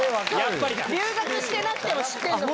留学してなくても知ってるの。